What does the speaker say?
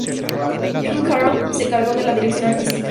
Phil Carroll se encargó de la dirección artística.